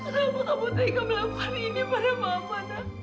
kenapa kamu tak ikut melakukan ini pada mama